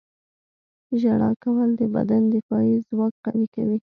• ژړا کول د بدن دفاعي ځواک قوي کوي.